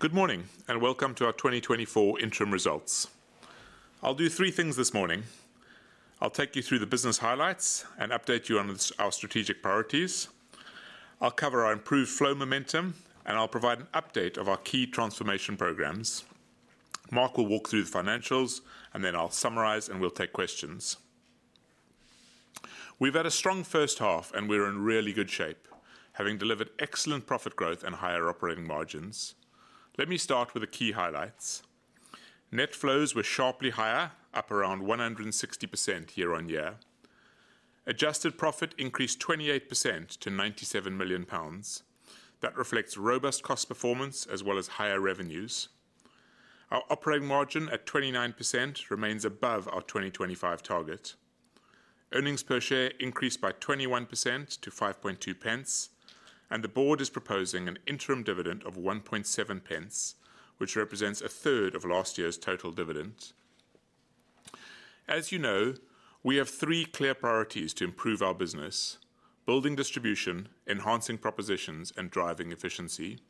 Good morning, and welcome to our 2024 interim results. I'll do three things this morning: I'll take you through the business highlights and update you on our strategic priorities, I'll cover our improved flow momentum, and I'll provide an update of our key transformation programs. Mark will walk through the financials, and then I'll summarize, and we'll take questions. We've had a strong first half, and we're in really good shape, having delivered excellent profit growth and higher operating margins. Let me start with the key highlights. Net flows were sharply higher, up around 160% year-on-year. Adjusted profit increased 28% to 97 million pounds. That reflects robust cost performance as well as higher revenues. Our operating margin at 29% remains above our 2025 target. Earnings per share increased by 21% to 0.052, and the board is proposing an interim dividend of 0.017, which represents a third of last year's total dividend. As you know, we have three clear priorities to improve our business: building distribution, enhancing propositions, and driving efficiency.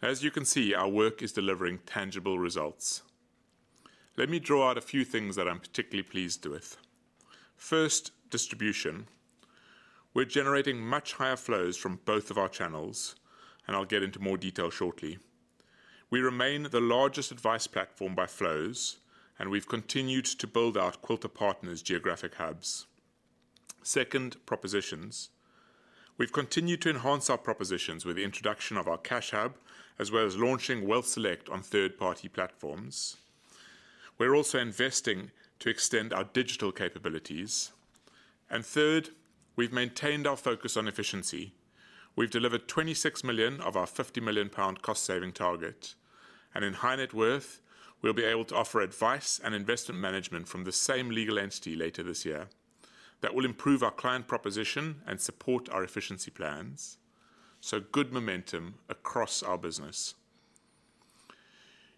As you can see, our work is delivering tangible results. Let me draw out a few things that I'm particularly pleased with. First, distribution. We're generating much higher flows from both of our channels, and I'll get into more detail shortly. We remain the largest advice platform by flows, and we've continued to build out Quilter Partners' geographic hubs. Second, propositions. We've continued to enhance our propositions with the introduction of our Cash Hub, as well as launching WealthSelect on third-party platforms. We're also investing to extend our digital capabilities. Third, we've maintained our focus on efficiency. We've delivered 26 million of our 50 million pound cost-saving target, and in High Net Worth, we'll be able to offer advice and investment management from the same legal entity later this year. That will improve our client proposition and support our efficiency plans, so good momentum across our business.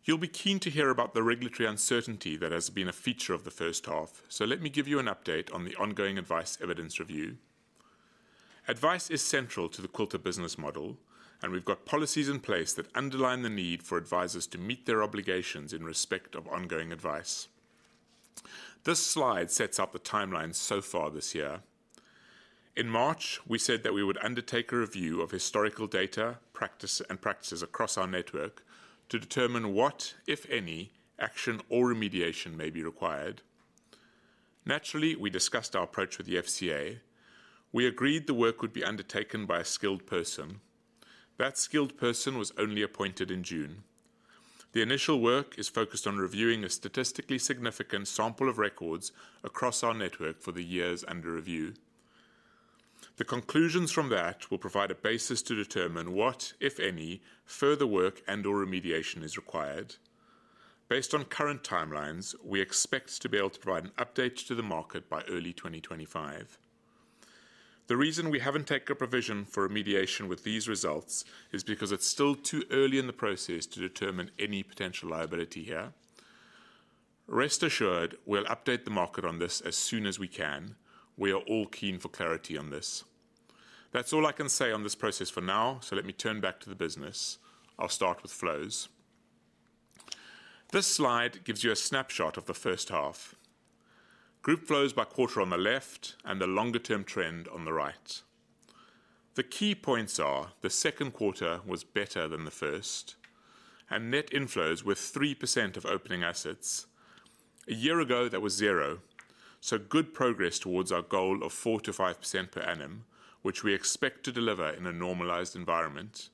You'll be keen to hear about the regulatory uncertainty that has been a feature of the first half, so let me give you an update on the ongoing Advice Evidence Review. Advice is central to the Quilter business model, and we've got policies in place that underline the need for advisors to meet their obligations in respect of ongoing advice. This slide sets out the timeline so far this year. In March, we said that we would undertake a review of historical data, practice, and practices across our network to determine what, if any, action or remediation may be required. Naturally, we discussed our approach with the FCA. We agreed the work would be undertaken by a skilled person. That skilled person was only appointed in June. The initial work is focused on reviewing a statistically significant sample of records across our network for the years under review. The conclusions from that will provide a basis to determine what, if any, further work and/or remediation is required. Based on current timelines, we expect to be able to provide an update to the market by early 2025. The reason we haven't taken a provision for remediation with these results is because it's still too early in the process to determine any potential liability here. Rest assured, we'll update the market on this as soon as we can. We are all keen for clarity on this. That's all I can say on this process for now, so let me turn back to the business. I'll start with flows. This slide gives you a snapshot of the first half. Group flows by quarter on the left and the longer-term trend on the right. The key points are the second quarter was better than the first, and net inflows were 3% of opening assets. A year ago, that was zero, so good progress towards our goal of 4%-5% per annum, which we expect to deliver in a normalized environment.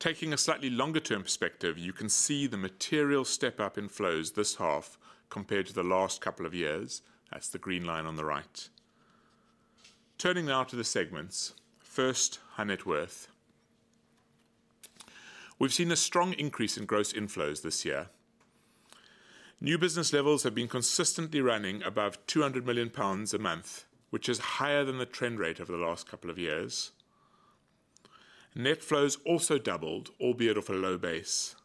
Taking a slightly longer-term perspective, you can see the material step-up in flows this half compared to the last couple of years. That's the green line on the right. Turning now to the segments. First, High Net Worth. We've seen a strong increase in gross inflows this year. New business levels have been consistently running above 200 million pounds a month, which is higher than the trend rate over the last couple of years. Net flows also doubled, albeit off a low base.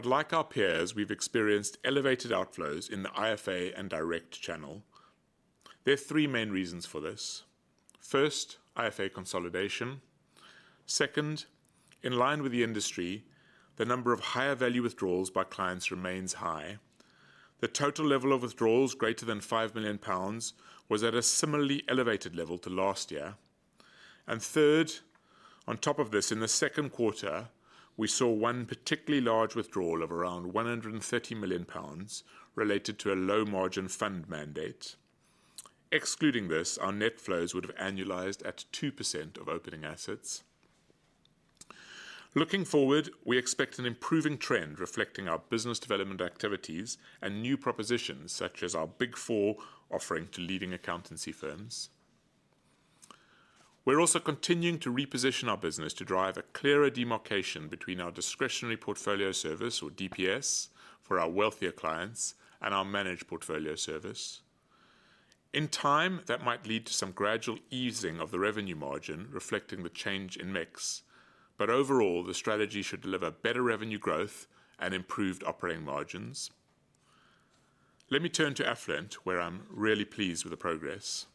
But like our peers, we've experienced elevated outflows in the IFA and direct channel. There are three main reasons for this. First, IFA consolidation. Second, in line with the industry, the number of higher value withdrawals by clients remains high. The total level of withdrawals greater than 5 million pounds was at a similarly elevated level to last year. And third, on top of this, in the second quarter, we saw one particularly large withdrawal of around 130 million pounds related to a low-margin fund mandate. Excluding this, our net flows would have annualized at 2% of opening assets. Looking forward, we expect an improving trend reflecting our business development activities and new propositions, such as our Big Four offering to leading accountancy firms. We're also continuing to reposition our business to drive a clearer demarcation Discretionary Portfolio Service, or dps, for our wealthier clients and our Managed Portfolio Service. In time, that might lead to some gradual easing of the revenue margin, reflecting the change in mix. But overall, the strategy should deliver better revenue growth and improved operating margins. Let me turn to Affluent, where I'm really pleased with the progress.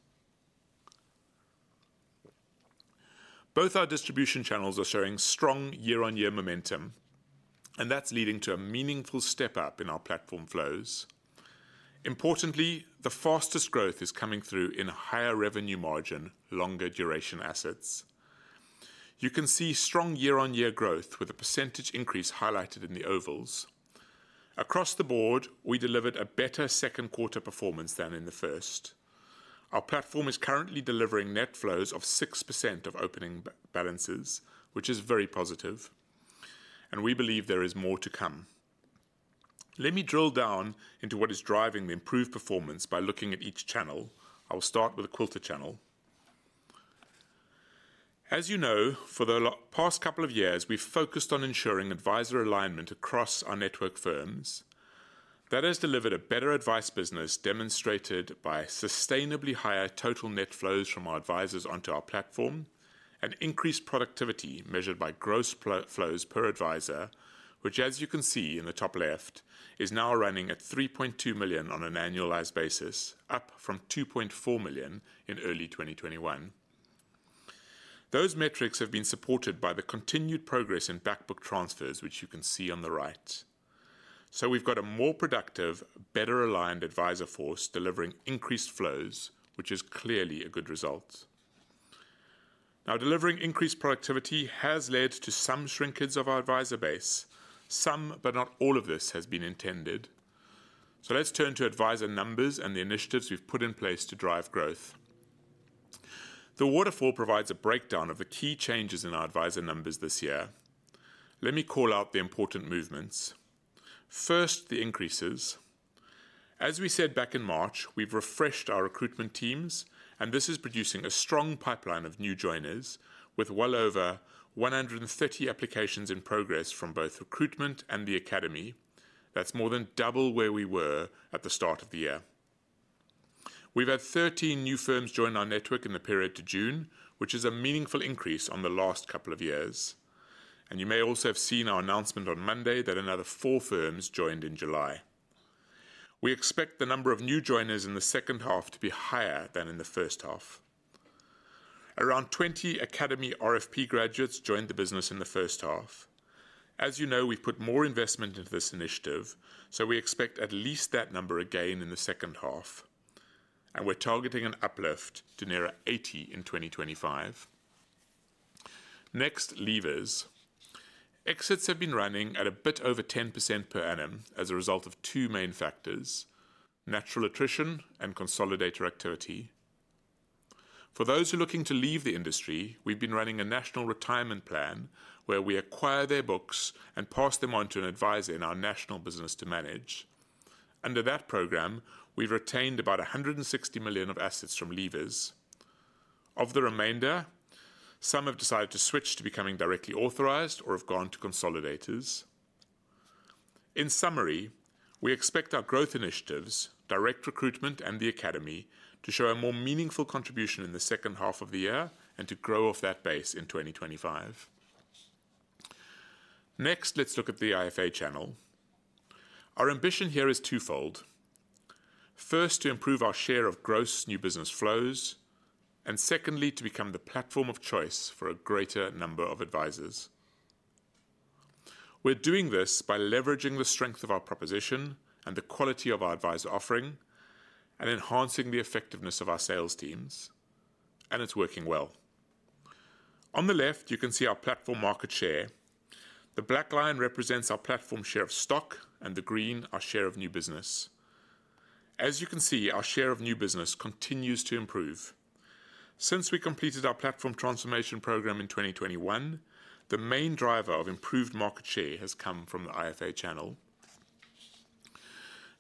Both our distribution channels are showing strong year-on-year momentum, and that's leading to a meaningful step up in our platform flows. Importantly, the fastest growth is coming through in higher revenue margin, longer duration assets. You can see strong year-on-year growth with a percentage increase highlighted in the ovals. Across the board, we delivered a better second quarter performance than in the first. Our platform is currently delivering net flows of 6% of opening balances, which is very positive, and we believe there is more to come. Let me drill down into what is driving the improved performance by looking at each channel. I will start with the Quilter channel. As you know, for the past couple of years, we've focused on ensuring advisor alignment across our network firms. That has delivered a better advice business, demonstrated by sustainably higher total net flows from our advisors onto our platform and increased productivity, measured by gross flows per advisor, which, as you can see in the top left, is now running at 3.2 million on an annualized basis, up from 2.4 million in early 2021. Those metrics have been supported by the continued progress in back book transfers, which you can see on the right. So we've got a more productive, better-aligned advisor force delivering increased flows, which is clearly a good result. Now, delivering increased productivity has led to some shrinkage of our advisor base. Some, but not all of this, has been intended. So let's turn to advisor numbers and the initiatives we've put in place to drive growth. The waterfall provides a breakdown of the key changes in our advisor numbers this year. Let me call out the important movements. First, the increases. As we said back in March, we've refreshed our recruitment teams, and this is producing a strong pipeline of new joiners with well over 130 applications in progress from both recruitment and the academy. That's more than double where we were at the start of the year. We've had 13 new firms join our network in the period to June, which is a meaningful increase on the last couple of years, and you may also have seen our announcement on Monday that another 4 firms joined in July. We expect the number of new joiners in the second half to be higher than in the first half. Around 20 academy RFP graduates joined the business in the first half. As you know, we've put more investment into this initiative, so we expect at least that number again in the second half, and we're targeting an uplift to near 80 in 2025. Next, leavers. Exits have been running at a bit over 10% per annum as a result of two main factors: natural attrition and consolidator activity. For those who are looking to leave the industry, we've been running a National Retirement Plan where we acquire their books and pass them on to an advisor in our national business to manage. Under that program, we've retained about 160 million of assets from leavers. Of the remainder, some have decided to switch to becoming Directly Authorized or have gone to consolidators. In summary, we expect our growth initiatives, direct recruitment, and the academy to show a more meaningful contribution in the second half of the year and to grow off that base in 2025. Next, let's look at the IFA channel. Our ambition here is twofold: first, to improve our share of gross new business flows, and secondly, to become the platform of choice for a greater number of advisors. We're doing this by leveraging the strength of our proposition and the quality of our advisor offering and enhancing the effectiveness of our sales teams, and it's working well. On the left, you can see our platform market share. The black line represents our platform share of stock, and the green, our share of new business. As you can see, our share of new business continues to improve. Since we completed our platform transformation program in 2021, the main driver of improved market share has come from the IFA channel.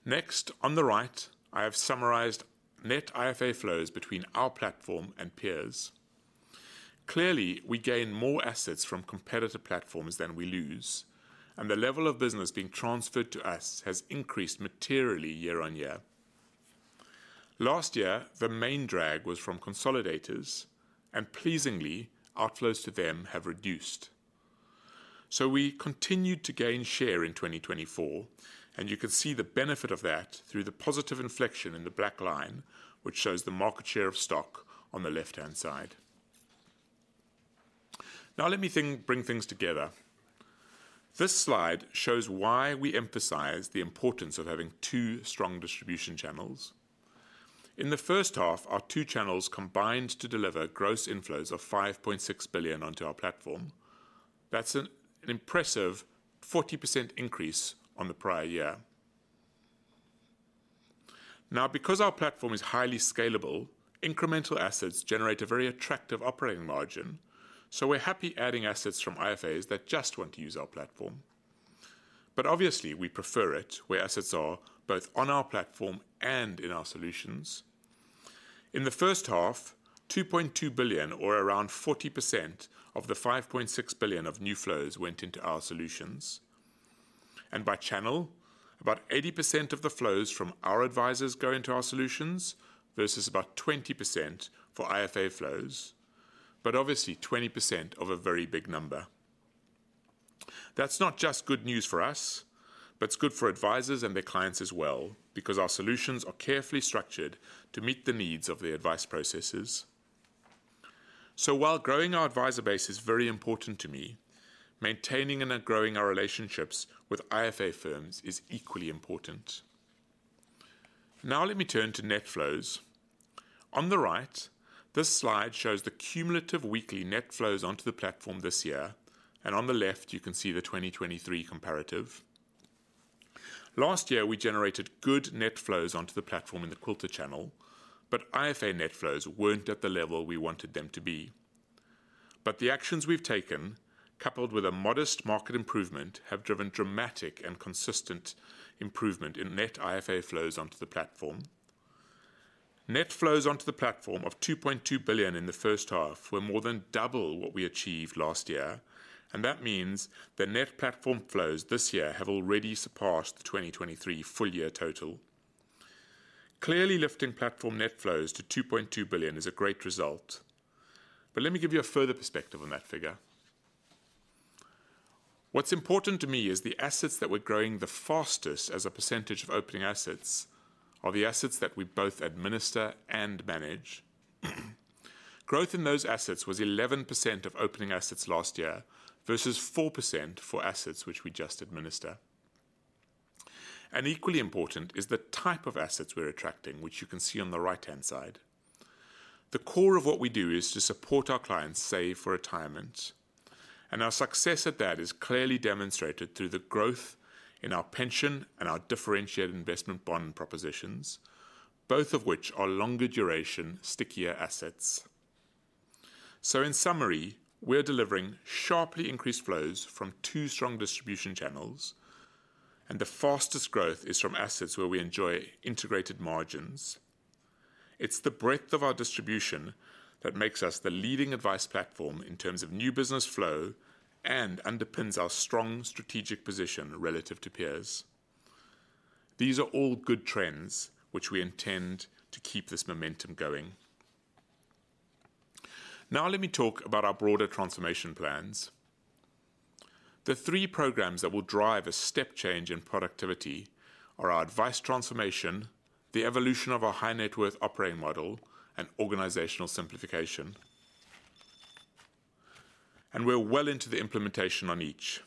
Next, on the right, I have summarized net IFA flows between our platform and peers. Clearly, we gain more assets from competitor platforms than we lose, and the level of business being transferred to us has increased materially year-on-year. Last year, the main drag was from consolidators, and pleasingly, outflows to them have reduced. So we continued to gain share in 2024, and you can see the benefit of that through the positive inflection in the black line, which shows the market share of stock on the left-hand side. Now, let me think, bring things together. This slide shows why we emphasize the importance of having two strong distribution channels. In the first half, our two channels combined to deliver gross inflows of 5.6 billion onto our platform. That's an impressive 40% increase on the prior year. Now, because our platform is highly scalable, incremental assets generate a very attractive operating margin. So we're happy adding assets from IFAs that just want to use our platform. But obviously, we prefer it where assets are both on our platform and in our solutions. In the first half, 2.2 billion, or around 40% of the 5.6 billion of new flows, went into our solutions. And by channel, about 80% of the flows from our advisors go into our solutions versus about 20% for IFA flows, but obviously, 20% of a very big number. That's not just good news for us, but it's good for advisors and their clients as well, because our solutions are carefully structured to meet the needs of the advice processes. So while growing our advisor base is very important to me, maintaining and then growing our relationships with IFA firms is equally important. Now let me turn to net flows. On the right, this slide shows the cumulative weekly net flows onto the platform this year, and on the left, you can see the 2023 comparative. Last year, we generated good net flows onto the platform in the Quilter channel, but IFA net flows weren't at the level we wanted them to be. But the actions we've taken, coupled with a modest market improvement, have driven dramatic and consistent improvement in net IFA flows onto the platform. Net flows onto the platform of 2.2 billion in the first half were more than double what we achieved last year, and that means the net platform flows this year have already surpassed the 2023 full year total. Clearly, lifting platform net flows to 2.2 billion is a great result. But let me give you a further perspective on that figure. What's important to me is the assets that were growing the fastest as a percentage of opening assets are the assets that we both administer and manage. Growth in those assets was 11% of opening assets last year, versus 4% for assets which we just administer. And equally important is the type of assets we're attracting, which you can see on the right-hand side. The core of what we do is to support our clients save for retirement, and our success at that is clearly demonstrated through the growth in our pension and our differentiated investment bond propositions, both of which are longer duration, stickier assets. So in summary, we're delivering sharply increased flows from two strong distribution channels, and the fastest growth is from assets where we enjoy integrated margins. It's the breadth of our distribution that makes us the leading advice platform in terms of new business flow and underpins our strong strategic position relative to peers. These are all good trends, which we intend to keep this momentum going. Now let me talk about our broader transformation plans. The three programs that will drive a step change in productivity are our advice transformation, the evolution of our high-net-worth operating model, and organizational simplification. We're well into the implementation on each.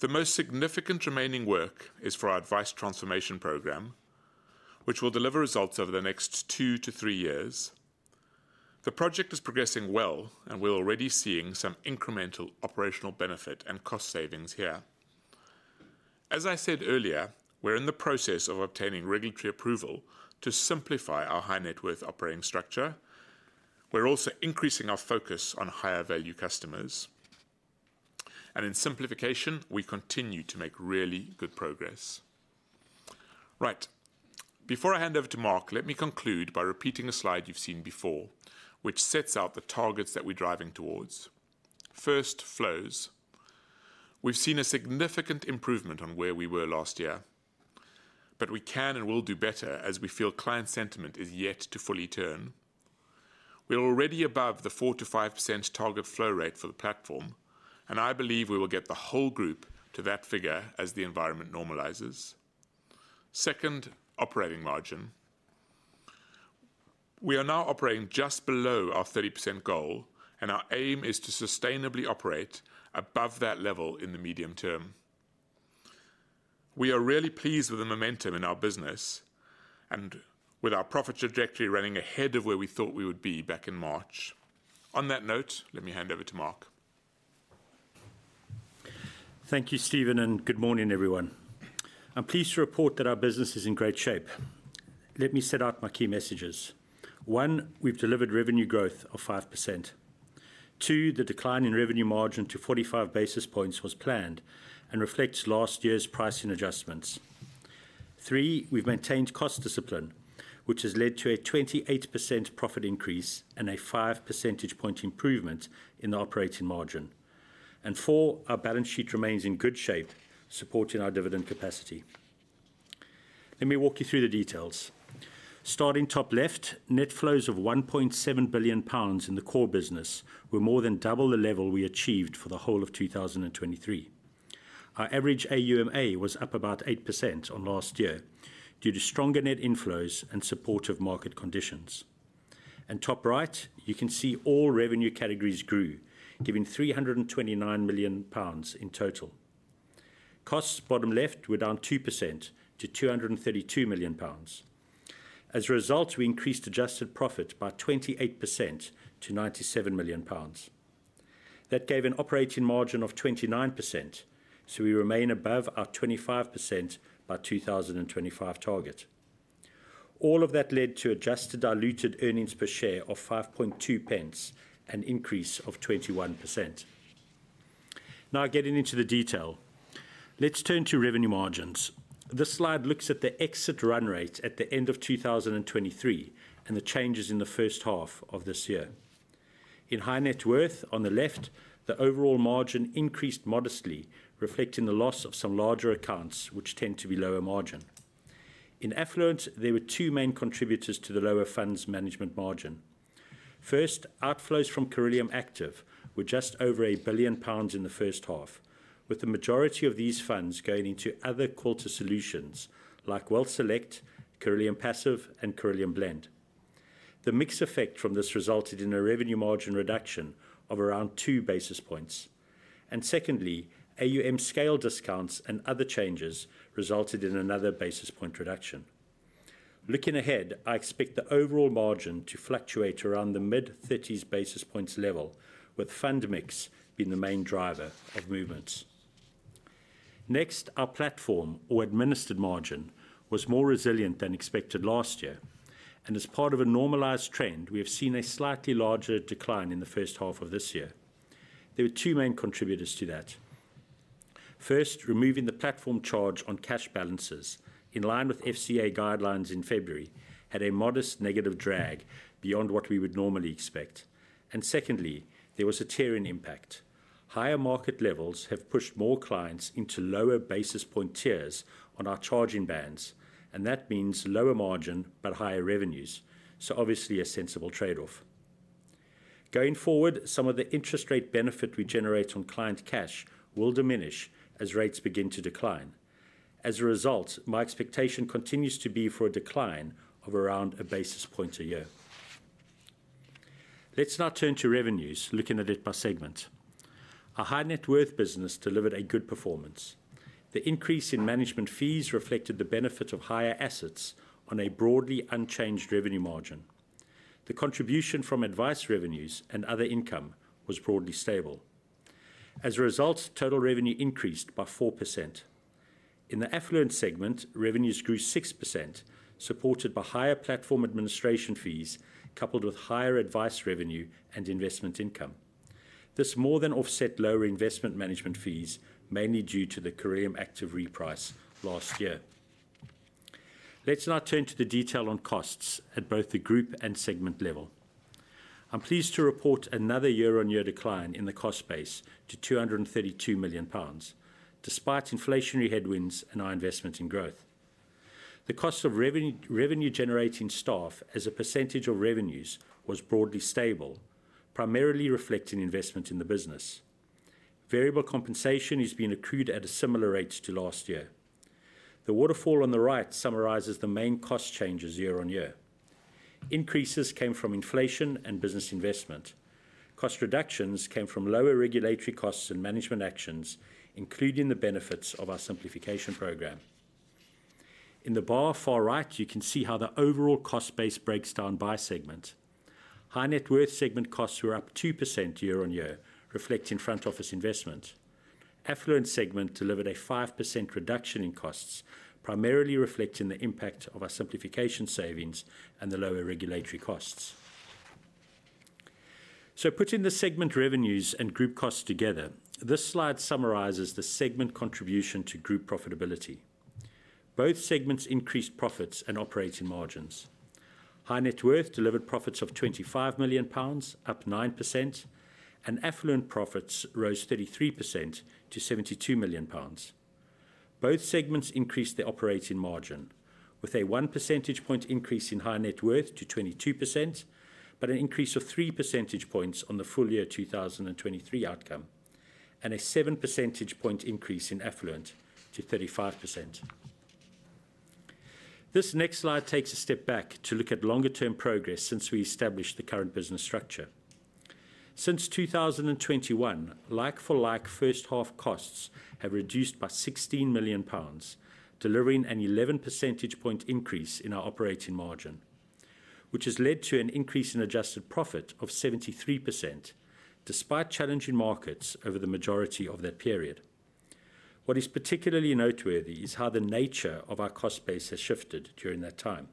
The most significant remaining work is for our advice transformation program, which will deliver results over the next 2-3 years. The project is progressing well, and we're already seeing some incremental operational benefit and cost savings here. As I said earlier, we're in the process of obtaining regulatory approval to simplify our high-net-worth operating structure. We're also increasing our focus on higher value customers. In simplification, we continue to make really good progress. Right. Before I hand over to Mark, let me conclude by repeating a slide you've seen before, which sets out the targets that we're driving towards. First, flows. We've seen a significant improvement on where we were last year, but we can and will do better as we feel client sentiment is yet to fully turn. We're already above the 4%-5% target flow rate for the platform, and I believe we will get the whole group to that figure as the environment normalizes. Second, operating margin. We are now operating just below our 30% goal, and our aim is to sustainably operate above that level in the medium term. We are really pleased with the momentum in our business and with our profit trajectory running ahead of where we thought we would be back in March. On that note, let me hand over to Mark. Thank you, Steven, and good morning, everyone. I'm pleased to report that our business is in great shape. Let me set out my key messages. One, we've delivered revenue growth of 5%. Two, the decline in revenue margin to 45 basis points was planned and reflects last year's pricing adjustments. Three, we've maintained cost discipline, which has led to a 28% profit increase and a 5 percentage point improvement in the operating margin. And four, our balance sheet remains in good shape, supporting our dividend capacity. Let me walk you through the details. Starting top left, net flows of 1.7 billion pounds in the core business were more than double the level we achieved for the whole of 2023. Our average AuMA was up about 8% on last year due to stronger net inflows and supportive market conditions. Top right, you can see all revenue categories grew, giving 329 million pounds in total. Costs, bottom left, were down 2% to 232 million pounds. As a result, we increased adjusted profit by 28% to 97 million pounds. That gave an operating margin of 29%, so we remain above our 25% by 2025 target. All of that led to adjusted diluted earnings per share of 5.2 pence, an increase of 21%. Now, getting into the detail. Let's turn to revenue margins. This slide looks at the exit run rate at the end of 2023 and the changes in the first half of this year. In High Net Worth, on the left, the overall margin increased modestly, reflecting the loss of some larger accounts, which tend to be lower margin. In Affluent, there were two main contributors to the lower funds management margin. First, outflows from Cirilium Active were just over 1 billion pounds in the first half, with the majority of these funds going into other Quilter solutions like WealthSelect, Cirilium Passive, and Cirilium Blend. The mix effect from this resulted in a revenue margin reduction of around 2 basis points. Secondly, AUM scale discounts and other changes resulted in another basis point reduction. Looking ahead, I expect the overall margin to fluctuate around the mid-30s basis points level, with fund mix being the main driver of movements. Next, our platform or administered margin was more resilient than expected last year, and as part of a normalized trend, we have seen a slightly larger decline in the first half of this year. There were two main contributors to that. First, removing the platform charge on cash balances, in line with FCA guidelines in February, had a modest negative drag beyond what we would normally expect. And secondly, there was a tiering impact. Higher market levels have pushed more clients into lower basis point tiers on our charging bands, and that means lower margin but higher revenues, so obviously a sensible trade-off. Going forward, some of the interest rate benefit we generate on client cash will diminish as rates begin to decline. As a result, my expectation continues to be for a decline of around 1 basis point a year. Let's now turn to revenues, looking at it by segment. Our High Net Worth business delivered a good performance. The increase in management fees reflected the benefit of higher assets on a broadly unchanged revenue margin. The contribution from advice revenues and other income was broadly stable. As a result, total revenue increased by 4%. In the Affluent segment, revenues grew 6%, supported by higher platform administration fees, coupled with higher advice revenue and investment income. This more than offset lower investment management fees, mainly due to the Cirilium Active reprice last year. Let's now turn to the detail on costs at both the group and segment level. I'm pleased to report another year-on-year decline in the cost base to 232 million pounds, despite inflationary headwinds and our investment in growth. The cost of revenue-generating staff as a percentage of revenues was broadly stable, primarily reflecting investment in the business. Variable compensation is being accrued at a similar rate to last year. The waterfall on the right summarizes the main cost changes year-on-year. Increases came from inflation and business investment. Cost reductions came from lower regulatory costs and management actions, including the benefits of our simplification program. In the bar far right, you can see how the overall cost base breaks down by segment. High Net Worth segment costs were up 2% year-on-year, reflecting front office investment. Affluent segment delivered a 5% reduction in costs, primarily reflecting the impact of our simplification savings and the lower regulatory costs. Putting the segment revenues and group costs together, this slide summarizes the segment contribution to group profitability. Both segments increased profits and operating margins. High Net Worth delivered profits of 25 million pounds, up 9%, and affluent profits rose 33% to 72 million pounds. Both segments increased their operating margin, with a 1 percentage point increase in High Net Worth to 22%, but an increase of 3 percentage points on the full year 2023 outcome, and a 7 percentage point increase in affluent to 35%. This next slide takes a step back to look at longer-term progress since we established the current business structure. Since 2021, like-for-like first half costs have reduced by 16 million pounds, delivering an 11 percentage point increase in our operating margin, which has led to an increase in adjusted profit of 73%, despite challenging markets over the majority of that period. What is particularly noteworthy is how the nature of our cost base has shifted during that time.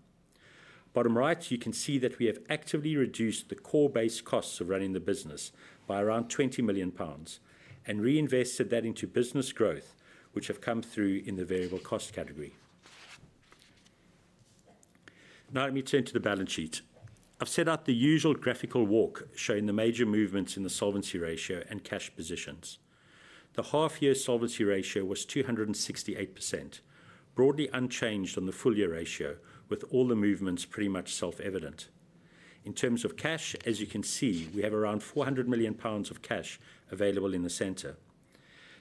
Bottom right, you can see that we have actively reduced the core base costs of running the business by around 20 million pounds and reinvested that into business growth, which have come through in the variable cost category. Now, let me turn to the balance sheet. I've set out the usual graphical walk, showing the major movements in the solvency ratio and cash positions. The half year solvency ratio was 268%, broadly unchanged on the full year ratio, with all the movements pretty much self-evident. In terms of cash, as you can see, we have around 400 million pounds of cash available in the center.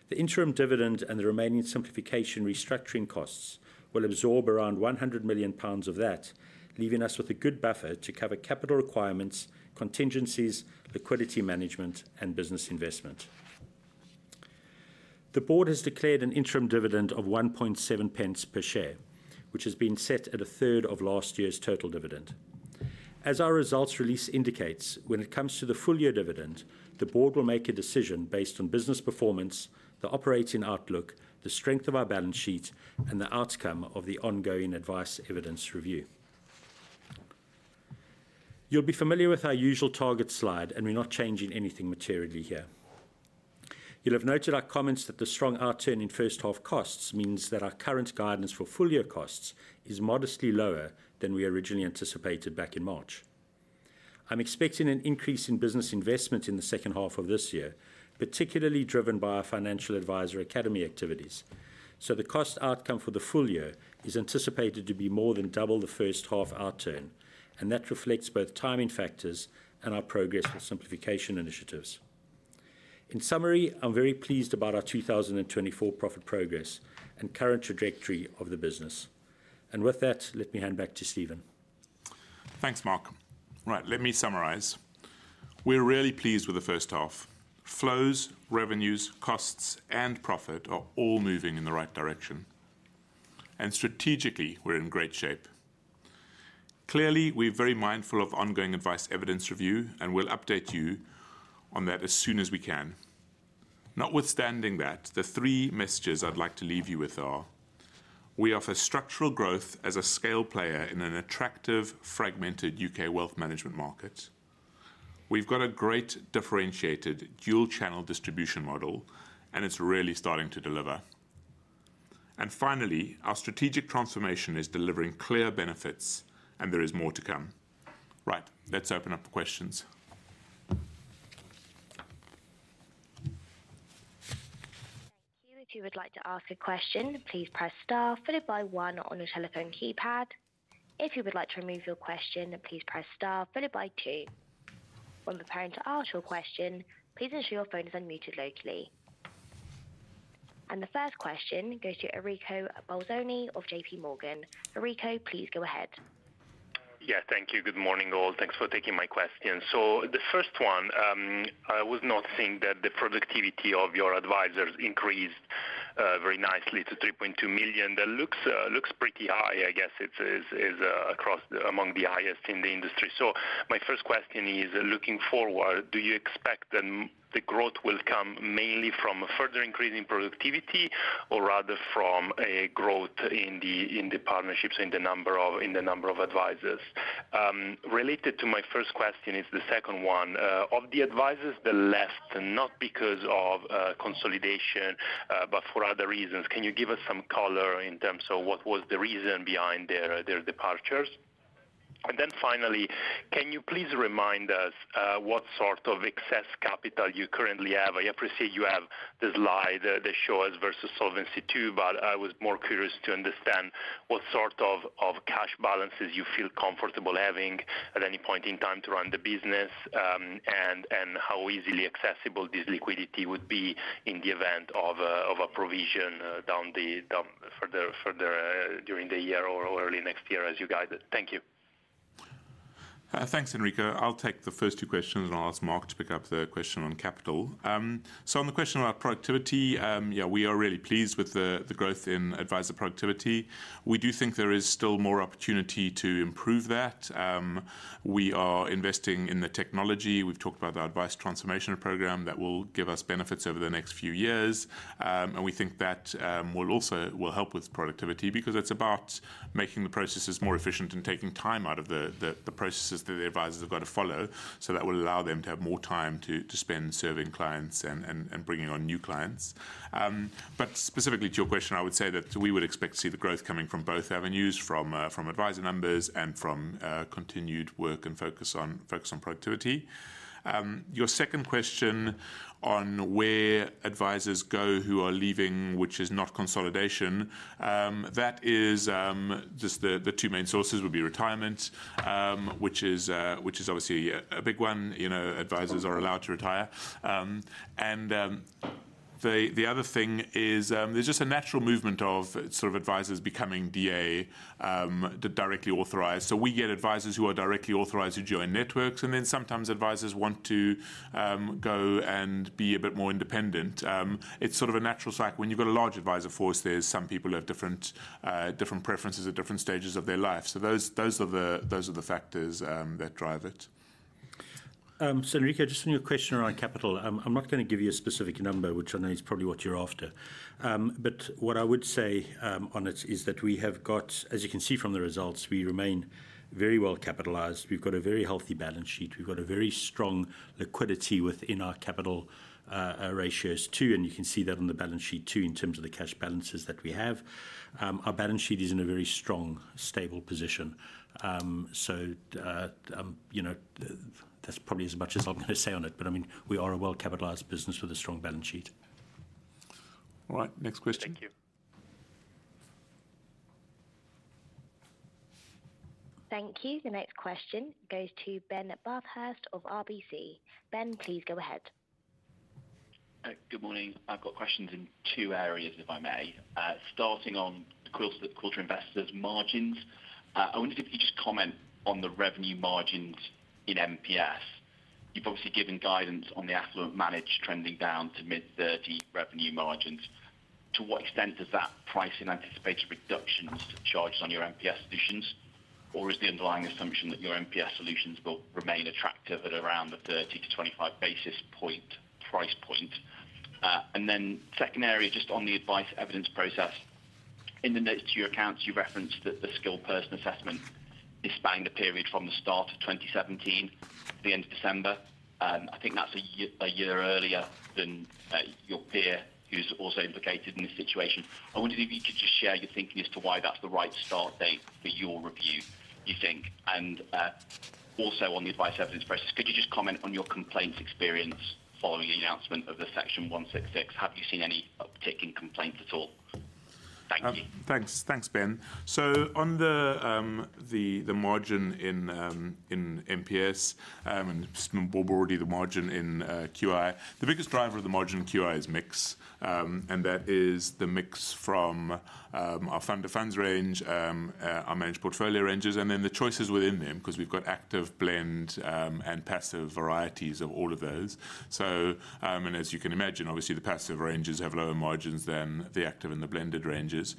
The interim dividend and the remaining simplification restructuring costs will absorb around 100 million pounds of that, leaving us with a good buffer to cover capital requirements, contingencies, liquidity management, and business investment. The board has declared an interim dividend of 0.017 per share, which has been set at a third of last year's total dividend. As our results release indicates, when it comes to the full year dividend, the board will make a decision based on business performance, the operating outlook, the strength of our balance sheet, and the outcome of the ongoing Advice Evidence Review. You'll be familiar with our usual target slide, and we're not changing anything materially here. You'll have noted our comments that the strong outturn in first half costs means that our current guidance for full-year costs is modestly lower than we originally anticipated back in March. I'm expecting an increase in business investment in the second half of this year, particularly driven by our financial advisor academy activities. So the cost outcome for the full year is anticipated to be more than double the first half outturn, and that reflects both timing factors and our progress with simplification initiatives. In summary, I'm very pleased about our 2024 profit progress and current trajectory of the business. And with that, let me hand back to Steven. Thanks, Mark. Right, let me summarize. We're really pleased with the first half. Flows, revenues, costs, and profit are all moving in the right direction, and strategically, we're in great shape. Clearly, we're very mindful of ongoing Advice Evidence Review, and we'll update you on that as soon as we can. Notwithstanding that, the three messages I'd like to leave you with are: we offer structural growth as a scale player in an attractive, fragmented UK wealth management market. We've got a great differentiated dual-channel distribution model, and it's really starting to deliver. And finally, our strategic transformation is delivering clear benefits, and there is more to come. Right, let's open up the questions. Thank you. If you would like to ask a question, please press star followed by one on your telephone keypad. If you would like to remove your question, please press star followed by two. When preparing to ask your question, please ensure your phone is unmuted locally. The first question goes to Enrico Bolzoni of JPMorgan. Enrico, please go ahead. Yeah, thank you. Good morning, all. Thanks for taking my question. So the first one, I was noticing that the productivity of your advisors increased very nicely to 3.2 million. That looks pretty high. I guess it is among the highest in the industry. So my first question is, looking forward, do you expect the growth will come mainly from a further increase in productivity or rather from a growth in the partnerships in the number of advisors? Related to my first question is the second one. Of the advisors that left, not because of consolidation, but for other reasons, can you give us some color in terms of what was the reason behind their departures? And then finally, can you please remind us, what sort of excess capital you currently have? I appreciate you have the slide that shows versus Solvency II, but I was more curious to understand what sort of cash balances you feel comfortable having at any point in time to run the business, and how easily accessible this liquidity would be in the event of a provision down further during the year or early next year, as you guided. Thank you. Thanks, Enrico. I'll take the first two questions, and I'll ask Mark to pick up the question on capital. So on the question about productivity, yeah, we are really pleased with the growth in advisor productivity. We do think there is still more opportunity to improve that. We are investing in the technology. We've talked about the advice transformation program that will give us benefits over the next few years. And we think that will also help with productivity because it's about making the processes more efficient and taking time out of the processes that the advisors have got to follow. So that will allow them to have more time to spend serving clients and bringing on new clients. But specifically to your question, I would say that we would expect to see the growth coming from both avenues, from advisor numbers and from continued work and focus on productivity. Your second question on where advisors go who are leaving, which is not consolidation, that is just the two main sources would be retirement, which is obviously a big one. You know, advisors are allowed to retire. The other thing is, there's just a natural movement of sort of advisors becoming DA, directly authorized. So we get advisors who are directly authorized to join networks, and then sometimes advisors want to go and be a bit more independent. It's sort of a natural cycle. When you've got a large advisor force, there's some people who have different, different preferences at different stages of their lives. So those, those are the, those are the factors that drive it. So Enrico, just on your question around capital, I'm not going to give you a specific number, which I know is probably what you're after. But what I would say, on it is that we have got. As you can see from the results, we remain very well capitalized. We've got a very healthy balance sheet. We've got a very strong liquidity within our capital ratios too, and you can see that on the balance sheet too, in terms of the cash balances that we have. Our balance sheet is in a very strong, stable position. So, you know, that's probably as much as I'm going to say on it. But, I mean, we are a well-capitalized business with a strong balance sheet. All right, next question. Thank you. Thank you. The next question goes to Ben Bathurst of RBC. Ben, please go ahead. Good morning. I've got questions in two areas, if I may. Starting on the Quilter Investors margins. I wonder if you could just comment on the revenue margins in MPS. You've obviously given guidance on the affluent managed trending down to mid-30 revenue margins. To what extent does that price in anticipated reductions to charges on your MPS solutions, or is the underlying assumption that your MPS solutions will remain attractive at around the 30 to 25 basis point price point? And then second area, just on the advice evidence process. In the notes to your accounts, you referenced that the skilled person assessment is spanning the period from the start of 2017 to the end of December. I think that's a year earlier than your peer, who's also implicated in this situation. I wonder if you could just share your thinking as to why that's the right start date for your review, you think? And, also on the advice evidence process, could you just comment on your complaints experience following the announcement of the Section 166? Have you seen any uptick in complaints at all? Thank you. Thanks. Thanks, Ben. So on the margin in MPS, and just more broadly, the margin in QI, the biggest driver of the margin in QI is mix. And that is the mix from our fund-of-funds range, our managed portfolio ranges, and then the choices within them, 'cause we've got active, blend, and passive varieties of all of those. So, and as you can imagine, obviously, the passive ranges have lower margins than the active and the blended ranges.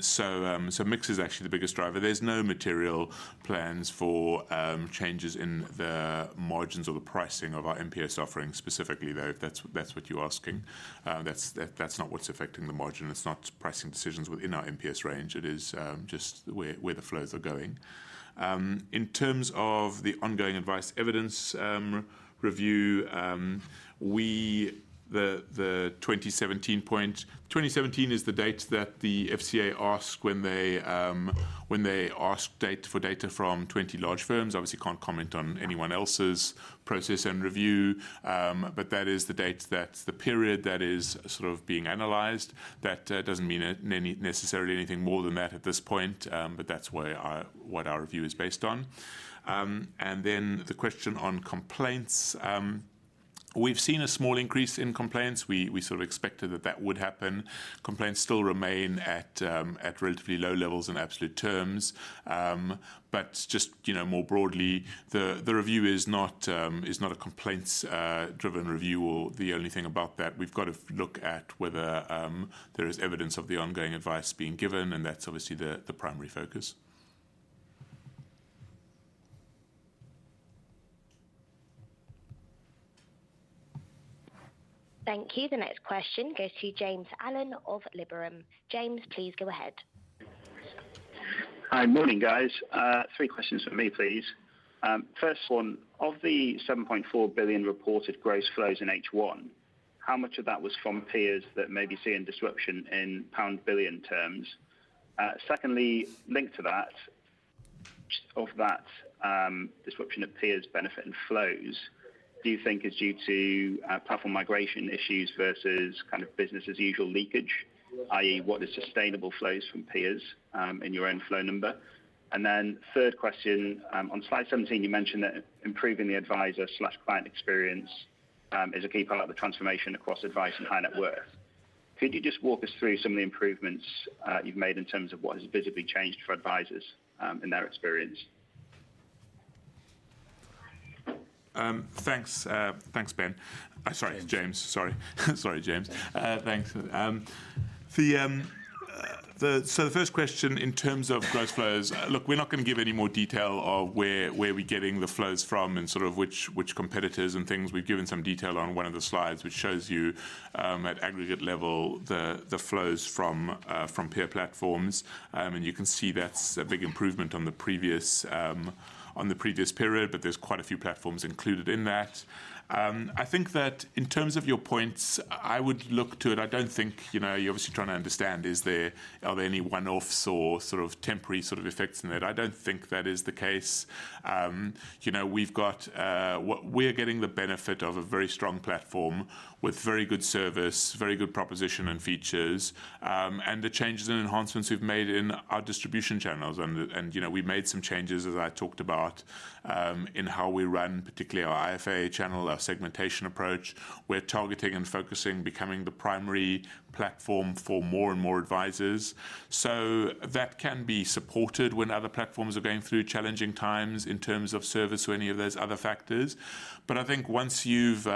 So, so mix is actually the biggest driver. There's no material plans for changes in the margins or the pricing of our MPS offering specifically, though, if that's what you're asking. That's not what's affecting the margin. It's not pricing decisions within our MPS range. It is just where the flows are going. In terms of the ongoing Advice Evidence Review, 2017 is the date that the FCA asked for, when they asked for data from 20 large firms. Obviously, can't comment on anyone else's process and review, but that is the date, that's the period that is sort of being analyzed. That doesn't mean necessarily anything more than that at this point, but that's where our review is based on. And then the question on complaints. We've seen a small increase in complaints. We sort of expected that would happen. Complaints still remain at relatively low levels in absolute terms. But just, you know, more broadly, the review is not a complaints-driven review or the only thing about that. We've got to look at whether there is evidence of the ongoing advice being given, and that's obviously the primary focus. Thank you. The next question goes to James Allen of Liberum. James, please go ahead. Hi. Morning, guys. Three questions for me, please. First one, of the 7.4 billion reported gross flows in H1, how much of that was from peers that may be seeing disruption in pound billion terms? Secondly, linked to that, of that, disruption of peers benefiting flows, do you think it's due to platform migration issues versus kind of business as usual leakage? i.e., what are sustainable flows from peers in your own flow number? Third question, on slide 17, you mentioned that improving the advisor/client experience is a key part of the transformation across advice and High Net Worth. Could you just walk us through some of the improvements you've made in terms of what has visibly changed for advisors in their experience? Thanks. Thanks, Ben. Sorry, James. Sorry, James. Thanks. So the first question in terms of gross flows, look, we're not going to give any more detail of where we're getting the flows from and sort of which competitors and things. We've given some detail on one of the slides, which shows you at aggregate level the flows from peer platforms. And you can see that's a big improvement on the previous period, but there's quite a few platforms included in that. I think that in terms of your points, I would look to it. I don't think, you know, you're obviously trying to understand, is there, are there any one-offs or sort of temporary sort of effects in that? I don't think that is the case. You know, we've got, we're getting the benefit of a very strong platform with very good service, very good proposition and features, and the changes and enhancements we've made in our distribution channels. And, and, you know, we've made some changes, as I talked about, in how we run, particularly our IFA channel, our segmentation approach. We're targeting and focusing, becoming the primary platform for more and more advisors. So that can be supported when other platforms are going through challenging times in terms of service or any of those other factors. But I think once you've,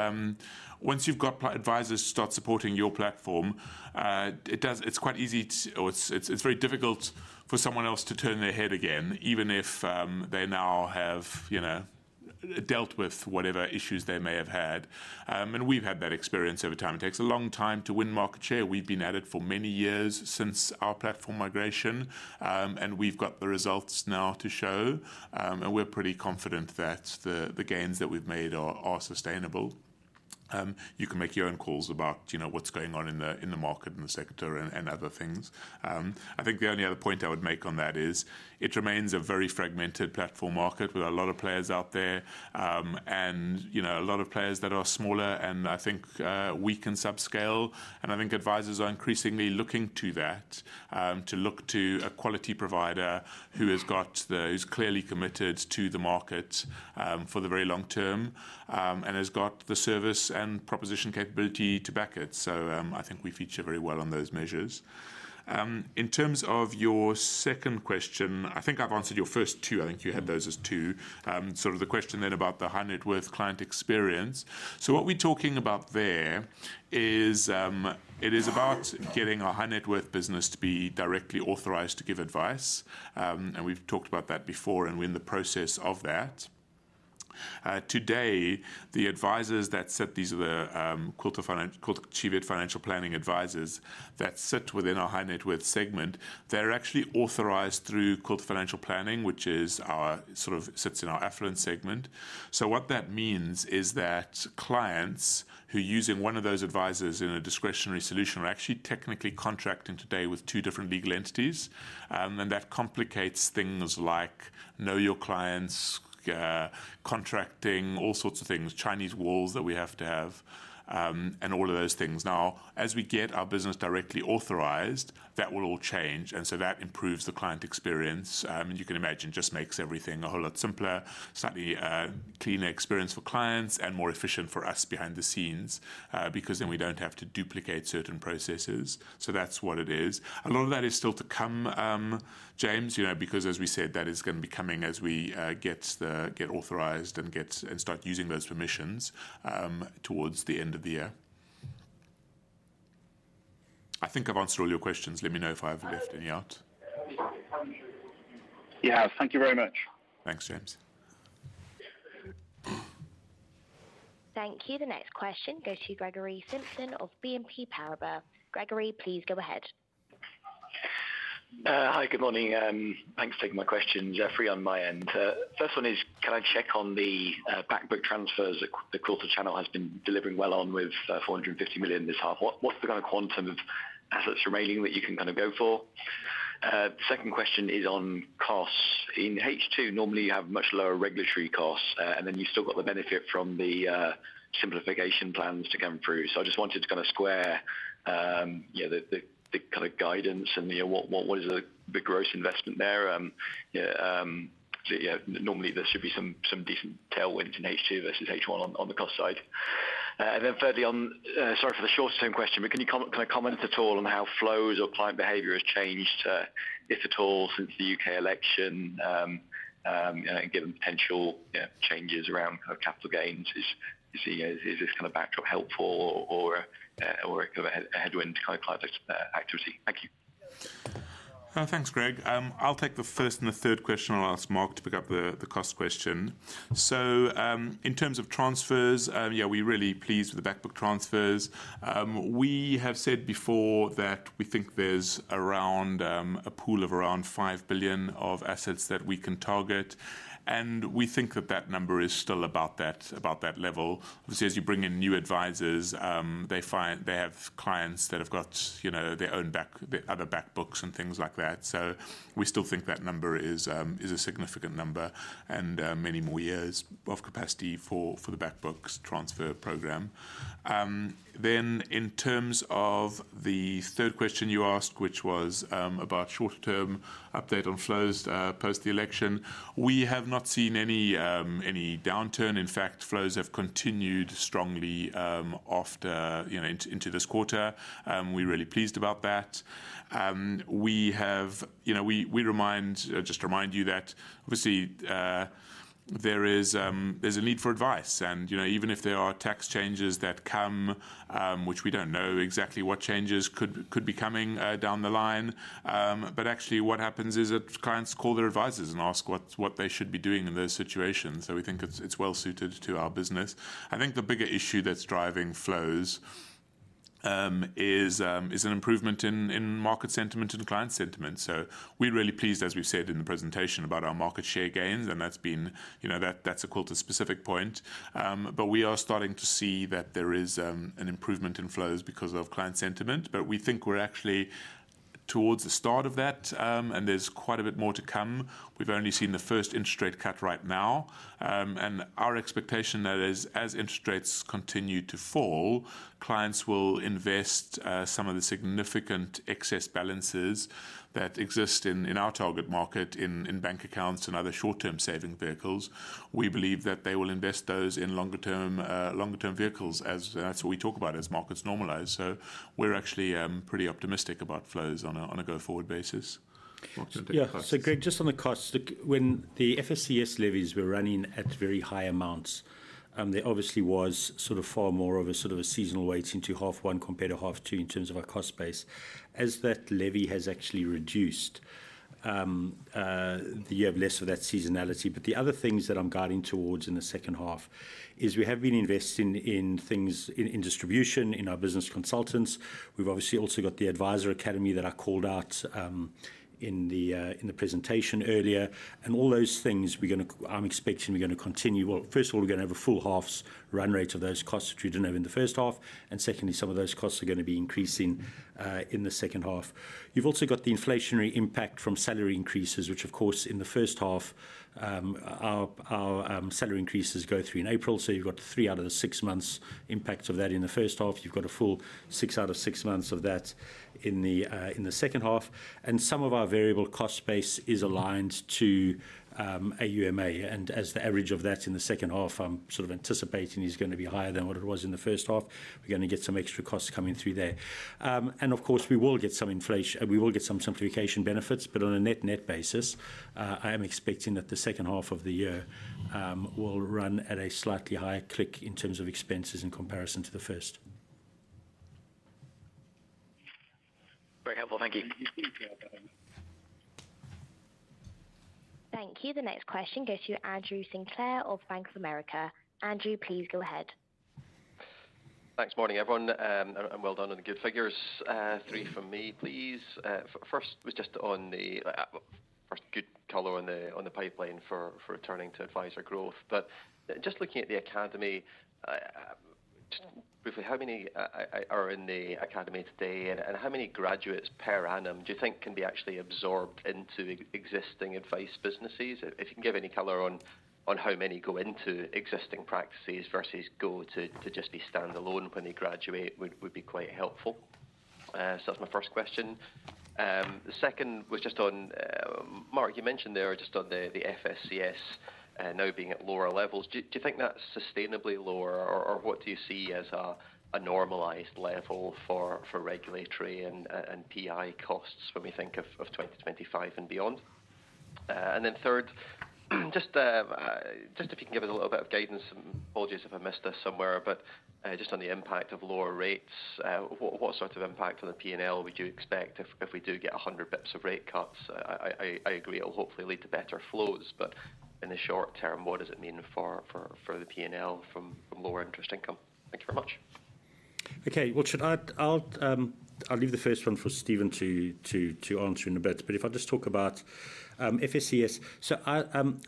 once you've got advisors start supporting your platform, it's very difficult for someone else to turn their head again, even if, they now have, you know, dealt with whatever issues they may have had. And we've had that experience over time. It takes a long time to win market share. We've been at it for many years since our platform migration, and we've got the results now to show, and we're pretty confident that the, the gains that we've made are, are sustainable. You can make your own calls about, you know, what's going on in the, in the market and the sector and, and other things. I think the only other point I would make on that is it remains a very fragmented platform market with a lot of players out there, and, you know, a lot of players that are smaller and, I think, weak and subscale. I think advisors are increasingly looking to that, to look to a quality provider who's clearly committed to the market, for the very long term, and has got the service and proposition capability to back it. So, I think we feature very well on those measures. In terms of your second question, I think I've answered your first two. I think you had those as two. Sort of the question then about the High Net Worth client experience. So what we're talking about there is, it is about getting our High Net Worth business to be directly authorized to give advice. And we've talked about that before, and we're in the process of that. Today, the advisors that set these, the Quilter Financial, Quilter Cheviot Financial Planning advisors that sit within our High Net Worth segment, they're actually authorized through Quilter Financial Planning, which is our, sort of, sits in our Affluent segment. So what that means is that clients who are using one of those advisors in a discretionary solution are actually technically contracting today with two different legal entities. And that complicates things like know your clients, contracting, all sorts of things, Chinese walls that we have to have, and all of those things. Now, as we get our business directly authorized, that will all change, and so that improves the client experience. You can imagine, just makes everything a whole lot simpler, slightly cleaner experience for clients and more efficient for us behind the scenes, because then we don't have to duplicate certain processes. That's what it is. A lot of that is still to come, James, you know, because as we said, that is going to be coming as we get authorized and start using those permissions towards the end of the year. I think I've answered all your questions. Let me know if I've left any out. You have. Thank you very much. Thanks, James. Thank you. The next question goes to Gregory Simpson of BNP Paribas. Gregory, please go ahead. Hi, good morning. Thanks for taking my question. Just three, on my end. First one is, can I check on the back book transfers that the Quilter channel has been delivering well on with 450 million this half. What's the kind of quantum of assets remaining that you can kind of go for? Second question is on costs. In H2, normally, you have much lower regulatory costs, and then you still got the benefit from the simplification plans to come through. So I just wanted to kind of square the kind of guidance and, you know, what is the gross investment there? Yeah, normally there should be some decent tailwinds in H2 versus H1 on the cost side. And then thirdly, sorry for the short-term question, but can you comment at all on how flows or client behavior has changed, if at all, since the U.K. election, you know, given potential, yeah, changes around kind of capital gains? You see, is this kind of backdrop helpful or, or, or kind of a headwind to client activity? Thank you. Thanks, Greg. I'll take the first and the third question, and I'll ask Mark to pick up the cost question. So, in terms of transfers, yeah, we're really pleased with the back book transfers. We have said before that we think there's around a pool of around 5 billion of assets that we can target, and we think that number is still about that level. Because as you bring in new advisors, they find they have clients that have got, you know, their own back, other back books and things like that. So we still think that number is a significant number and many more years of capacity for the back book transfer program. Then in terms of the third question you asked, which was about short-term update on flows post the election, we have not seen any downturn. In fact, flows have continued strongly after, you know, into this quarter. We're really pleased about that. We have... You know, we remind you that obviously there is a need for advice. And, you know, even if there are tax changes that come, which we don't know exactly what changes could be coming down the line, but actually, what happens is that clients call their advisors and ask what they should be doing in those situations. So we think it's well suited to our business. I think the bigger issue that's driving flows is an improvement in market sentiment and client sentiment. So we're really pleased, as we've said in the presentation, about our market share gains, and that's been, you know, that, that's a Quilter-specific point. But we are starting to see that there is an improvement in flows because of client sentiment. But we think we're actually towards the start of that, and there's quite a bit more to come. We've only seen the first interest rate cut right now. And our expectation, that is, as interest rates continue to fall, clients will invest some of the significant excess balances that exist in our target market, in bank accounts and other short-term saving vehicles. We believe that they will invest those in longer-term, longer-term vehicles, as that's what we talk about as markets normalize. So we're actually pretty optimistic about flows on a go-forward basis. Mark, take the costs. Yeah. So, Greg, just on the costs, look, when the FSCS levies were running at very high amounts, there obviously was sort of far more of a sort of a seasonal weighting to half one compared to half two in terms of our cost base. As that levy has actually reduced, you have less of that seasonality. But the other things that I'm guiding towards in the second half is we have been investing in things, in distribution, in our business consultants. We've obviously also got the Advisor Academy that I called out, in the presentation earlier. And all those things we're gonna—I'm expecting we're gonna continue. </transcript Well, first of all, we're gonna have a full half's run rate of those costs, which we didn't have in the first half, and secondly, some of those costs are gonna be increasing in the second half. You've also got the inflationary impact from salary increases, which of course, in the first half, our salary increases go through in April, so you've got three out of the six months impact of that in the first half. You've got a full six out of six months of that in the second half. And some of our variable cost base is aligned to a AuMA, and as the average of that in the second half, I'm sort of anticipating is gonna be higher than what it was in the first half. We're gonna get some extra costs coming through there. And of course, we will get some simplification benefits, but on a net-net basis, I am expecting that the second half of the year will run at a slightly higher clip in terms of expenses in comparison to the first. Thank you. Thank you. The next question goes to Andrew Sinclair of Bank of America. Andrew, please go ahead. Thanks. Morning, everyone, and well done on the good figures. Three from me, please. First was just on the first good color on the pipeline for returning to advisor growth. But just looking at the academy, just briefly, how many are in the academy today, and how many graduates per annum do you think can be actually absorbed into existing advice businesses? If you can give any color on how many go into existing practices versus go to just be standalone when they graduate, would be quite helpful. So that's my first question. The second was just on... Mark, you mentioned there just on the FSCS now being at lower levels. Do you think that's sustainably lower, or what do you see as a normalized level for regulatory and PI costs when we think of 2025 and beyond? And then third, just if you can give us a little bit of guidance, and apologies if I missed this somewhere, but just on the impact of lower rates, what sort of impact on the P&L would you expect if we do get 100 basis points of rate cuts? I agree it'll hopefully lead to better flows, but in the short term, what does it mean for the P&L from lower interest income? Thank you very much. Okay. Well, I'll leave the first one for Steven to answer in a bit. But if I just talk about FSCS. So I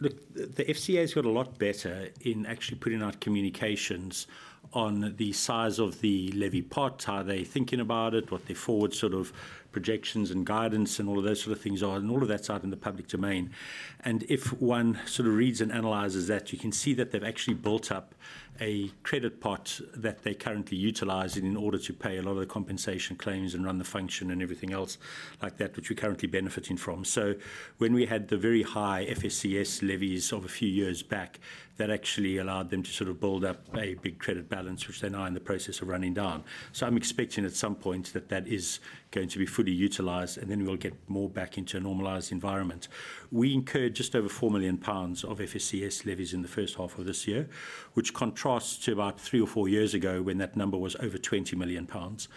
look, the FCA has got a lot better in actually putting out communications on the size of the levy pot, how they're thinking about it, what the forward sort of projections and guidance and all of those sort of things are, and all of that's out in the public domain. And if one sort of reads and analyzes that, you can see that they've actually built up a credit pot that they currently utilize in order to pay a lot of the compensation claims and run the function and everything else like that, which we're currently benefiting from. So when we had the very high FSCS levies of a few years back, that actually allowed them to sort of build up a big credit balance, which they're now in the process of running down. So I'm expecting at some point that that is going to be fully utilized, and then we'll get more back into a normalized environment. We incurred just over 4 million pounds of FSCS levies in the first half of this year, which contrasts to about 3 or 4 years ago, when that number was over 20 million pounds.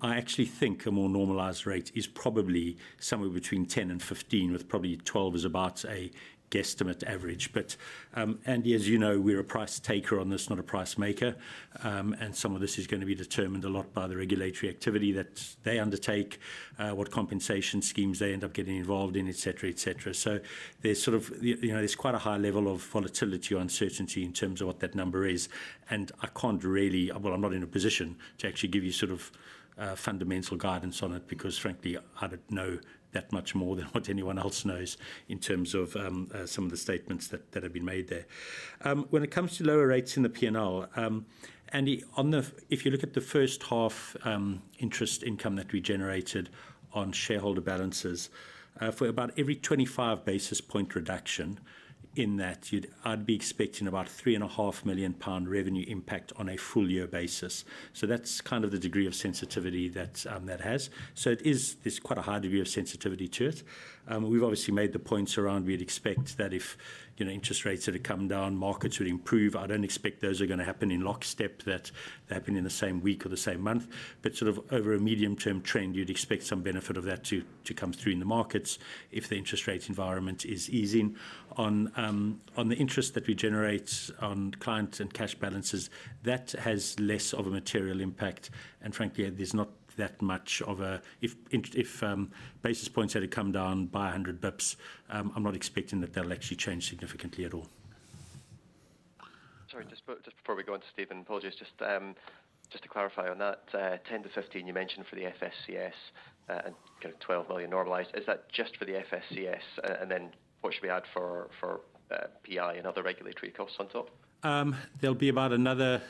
I actually think a more normalized rate is probably somewhere between 10 and 15, with probably 12 is about a guesstimate average. But, and as you know, we're a price taker on this, not a price maker. And some of this is going to be determined a lot by the regulatory activity that they undertake, what compensation schemes they end up getting involved in, et cetera, et cetera. So there's sort of, you know, there's quite a high level of volatility or uncertainty in terms of what that number is. And I can't really—well, I'm not in a position to actually give you sort of, fundamental guidance on it because, frankly, I don't know that much more than what anyone else knows in terms of, some of the statements that, that have been made there. When it comes to lower rates in the P&L, Andy, on the... If you look at the first half, interest income that we generated on shareholder balances, for about every 25 basis point reduction in that, I'd be expecting about 3.5 million pound revenue impact on a full year basis. So that's kind of the degree of sensitivity that that has. So it is, there's quite a high degree of sensitivity to it. We've obviously made the points around, we'd expect that if, you know, interest rates were to come down, markets would improve. I don't expect those are going to happen in lockstep, that they happen in the same week or the same month. But sort of over a medium-term trend, you'd expect some benefit of that to come through in the markets if the interest rate environment is easing. On the interest that we generate on clients and cash balances, that has less of a material impact. Frankly, there's not that much of a, if basis points were to come down by 100 basis points, I'm not expecting that they'll actually change significantly at all. Sorry, just before we go on to Steven, apologies, just to clarify on that, 10 million-15 million you mentioned for the FSCS, and kind of 12 million normalized. Is that just for the FSCS? And then what should we add for PI and other regulatory costs on top? There'll be about another,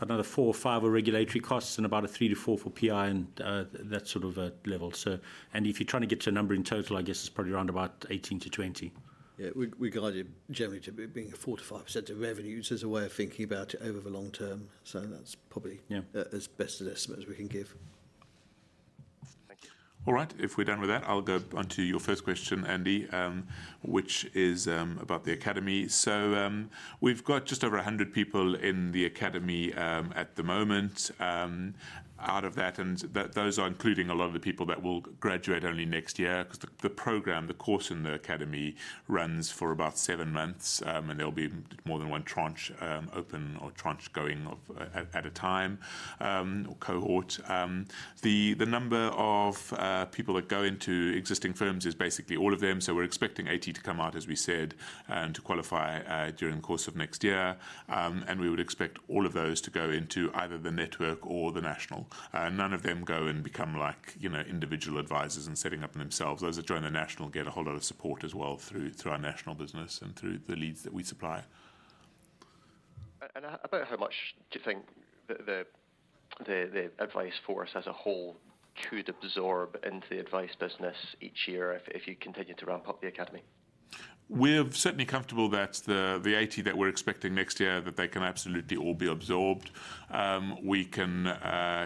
another 4 or 5 for regulatory costs and about a 3-4 for PI and that sort of level. So. And if you're trying to get to a number in total, I guess it's probably around about 18-20. Yeah, we guide it generally to be, being a 4%-5% of revenues as a way of thinking about it over the long term. So that's probably- Yeah... as best an estimate as we can give. Thank you. All right. If we're done with that, I'll go on to your first question, Andy, which is about the academy. So, we've got just over 100 people in the academy at the moment. Out of that, those are including a lot of the people that will graduate only next year, 'cause the program, the course in the academy, runs for about 7 months, and there'll be more than one tranche open or going at a time, or cohort. The number of people that go into existing firms is basically all of them. So we're expecting 80 to come out, as we said, and to qualify during the course of next year. And we would expect all of those to go into either the network or the national. None of them go and become like, you know, individual advisors and setting up themselves. Those that join the national get a whole lot of support as well through our national business and through the leads that we supply. And about how much do you think the advice force as a whole could absorb into the advice business each year if you continue to ramp up the academy? We're certainly comfortable that the 80 that we're expecting next year, that they can absolutely all be absorbed. We can,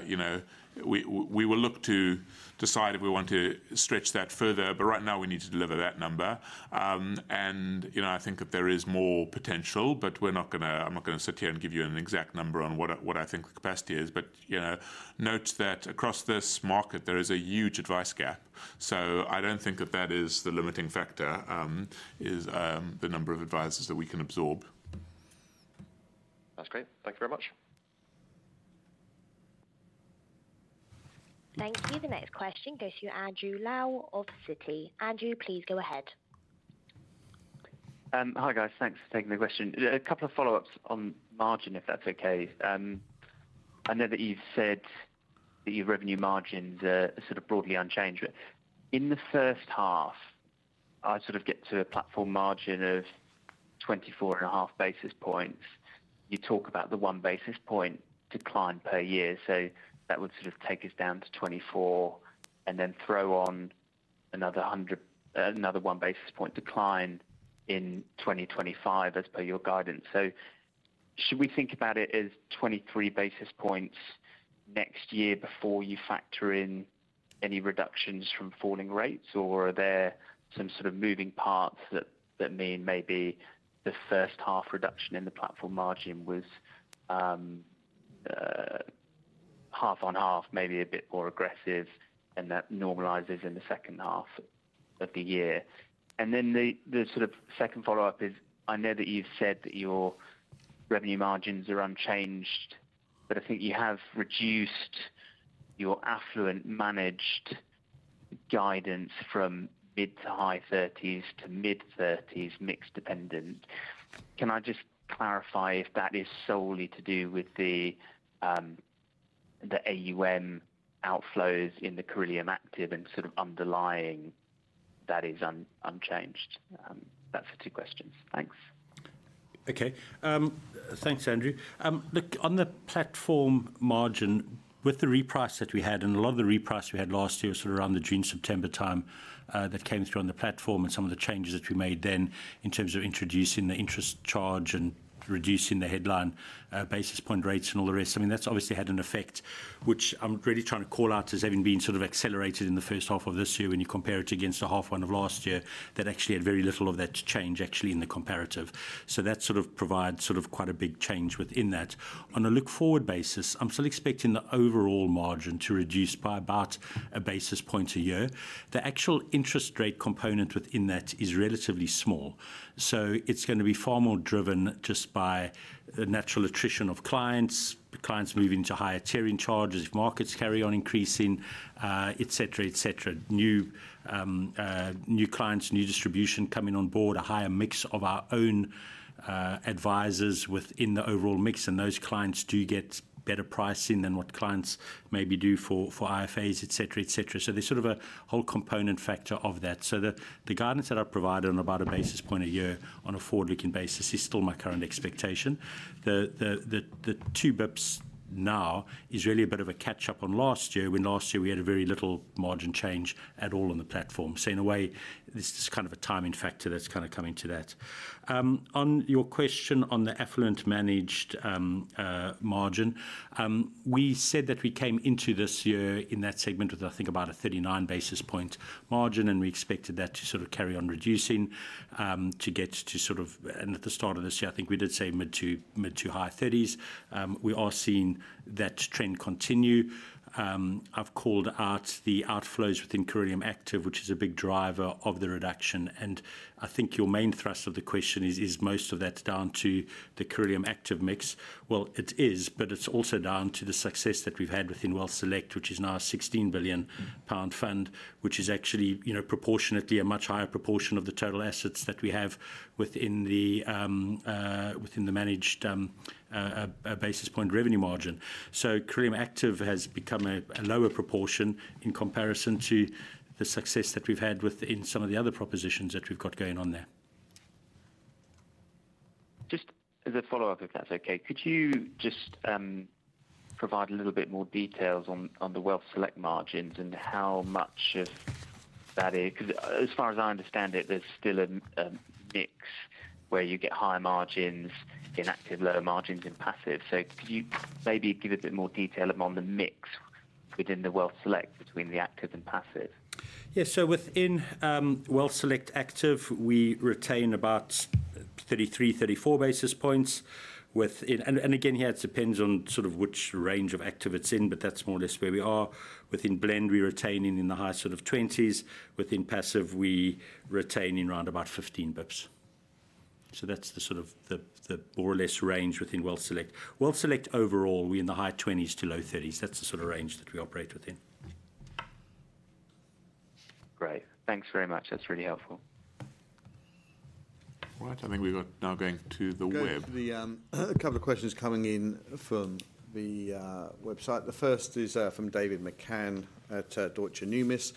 you know, we will look to decide if we want to stretch that further, but right now we need to deliver that number. And, you know, I think that there is more potential, but we're not gonna—I'm not gonna sit here and give you an exact number on what I, what I think the capacity is. But, you know, note that across this market, there is a huge advice gap, so I don't think that that is the limiting factor, is the number of advisors that we can absorb. That's great. Thank you very much. Thank you. The next question goes to Andrew Louw of Citi. Andrew, please go ahead. Hi, guys. Thanks for taking the question. A couple of follow-ups on margin, if that's okay. I know that you've said that your revenue margins are sort of broadly unchanged, but in the first half, I sort of get to a platform margin of 24.5 basis points. You talk about the 1 basis point decline per year, so that would sort of take us down to 24 and then throw on another 1 basis point decline in 2025, as per your guidance. So should we think about it as 23 basis points next year before you factor in any reductions from falling rates? Or are there some sort of moving parts that mean maybe the first half reduction in the platform margin was half on half, maybe a bit more aggressive, and that normalizes in the second half of the year? And then the sort of second follow-up is, I know that you've said that your revenue margins are unchanged, but I think you have reduced your affluent managed guidance from mid to high thirties to mid-thirties, mix dependent. Can I just clarify if that is solely to do with the AUM outflows in the Cirilium Active and sort of underlying that is unchanged? That's the two questions. Thanks. Okay. Thanks, Andrew. Look, on the platform margin, with the reprice that we had, and a lot of the reprice we had last year, sort of around the June, September time, that came through on the platform and some of the changes that we made then in terms of introducing the interest charge and reducing the headline basis point rates and all the rest. I mean, that's obviously had an effect, which I'm really trying to call out as having been sort of accelerated in the first half of this year when you compare it against the half one of last year, that actually had very little of that change, actually, in the comparative. So that sort of provides sort of quite a big change within that. On a look-forward basis, I'm still expecting the overall margin to reduce by about a basis point a year. The actual interest rate component within that is relatively small, so it's going to be far more driven just by the natural attrition of clients, clients moving to higher tiering charges, markets carry on increasing, et cetera, et cetera. New, new clients, new distribution coming on board, a higher mix of our own, advisors within the overall mix, and those clients do get better pricing than what clients maybe do for, for IFAs, et cetera, et cetera. So there's sort of a whole component factor of that. So the guidance that I've provided on about a basis point a year on a forward-looking basis is still my current expectation. The two bps now is really a bit of a catch-up on last year, when last year we had a very little margin change at all on the platform. So in a way, this is kind of a timing factor that's kind of coming to that. On your question on the affluent managed margin, we said that we came into this year in that segment with, I think, about a 39 basis point margin, and we expected that to sort of carry on reducing, to get to sort of... At the start of this year, I think we did say mid to, mid to high thirties. We are seeing that trend continue. I've called out the outflows within Cirilium Active, which is a big driver of the reduction, and I think your main thrust of the question is, is most of that down to the Cirilium Active mix? Well, it is, but it's also down to the success that we've had within WealthSelect, which is now a 16 billion pound fund, which is actually, you know, proportionately a much higher proportion of the total assets that we have within the managed basis point revenue margin. So Cirilium Active has become a lower proportion in comparison to the success that we've had within some of the other propositions that we've got going on there. Just as a follow-up, if that's okay, could you just provide a little bit more details on the WealthSelect margins and how much of that is...? Because as far as I understand it, there's still a mix where you get higher margins in active, lower margins in passive. So could you maybe give a bit more detail on the mix within the WealthSelect between the active and passive? Yeah. So within WealthSelect Active, we retain about 33, 34 basis points with it. And again, here, it depends on sort of which range of active it's in, but that's more or less where we are. Within Blend, we retain in the high 20s. Within Passive, we retain in around about 15 basis points. So that's the more or less range within WealthSelect. WealthSelect overall, we're in the high 20s to low 30s. That's the sort of range that we operate within. Great. Thanks very much. That's really helpful. Right. I think we've got now going to the web. Going to the, a couple of questions coming in from the website. The first is from David McCann at Deutsche Numis,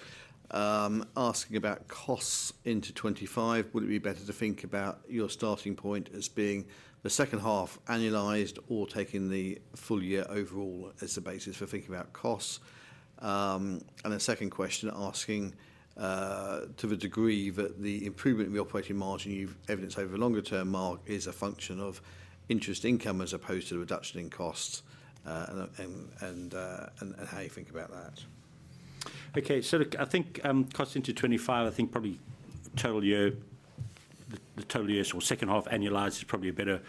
asking about costs into 2025. Would it be better to think about your starting point as being the second half annualized or taking the full year overall as the basis for thinking about costs? And a second question asking to the degree that the improvement in the operating margin you've evidenced over the longer term, Mark, is a function of interest income as opposed to the reduction in costs, and how you think about that. Okay. So look, I think, costs into 2025, I think probably total year the total year or second half annualized is probably a better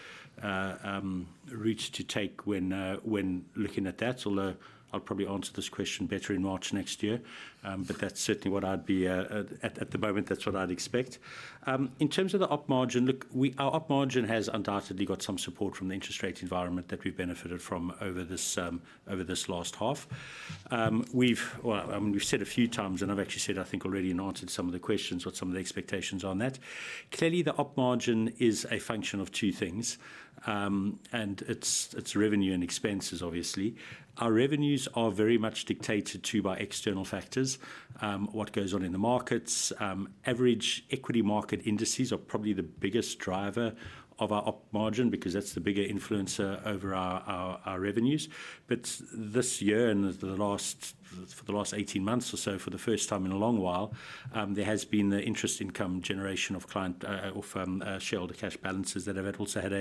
route to take when when looking at that, although I'll probably answer this question better in March next year. But that's certainly what I'd be at at the moment, that's what I'd expect. In terms of the op margin, look, we our op margin has undoubtedly got some support from the interest rate environment that we've benefited from over this over this last half. We've, well, I mean, we've said a few times, and I've actually said, I think, already and answered some of the questions with some of the expectations on that. Clearly, the op margin is a function of two things, and it's, it's revenue and expenses, obviously. Our revenues are very much dictated to by external factors. What goes on in the markets, average equity market indices are probably the biggest driver of our op margin because that's the bigger influencer over our revenues. But this year, and for the last 18 months or so, for the first time in a long while, there has been an interest income generation of client or from shareholder cash balances that have also had